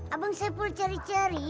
abang saiful cari cari